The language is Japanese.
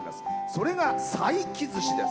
それが佐伯寿司です。